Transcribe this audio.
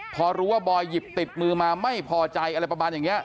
พอรู้ว่าบอยหยิบติดมือมาไม่พอใจอะไรประมาณอย่างนี้